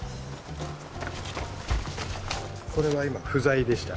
これは今、不在でした。